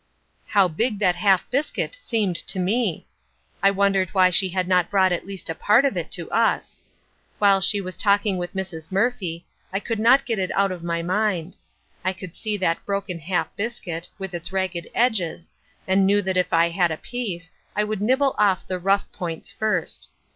How big that half biscuit seemed to me! I wondered why she had not brought at least a part of it to us. While she was talking with Mrs. Murphy, I could not get it out of my mind. I could see that broken half biscuit, with its ragged edges, and knew that if I had a piece, I would nibble off the rough points first.